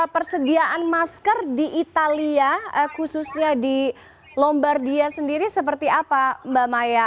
persediaan masker di italia khususnya di lombardia sendiri seperti apa mbak maya